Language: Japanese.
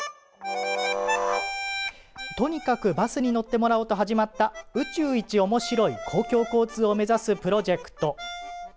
とにかくバスに乗ってもらおうと始めた宇宙一面白い公共交通を目指すプロジェクト。